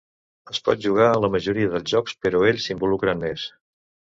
Es pot jugar a la majoria dels jocs, però ells s'involucren més.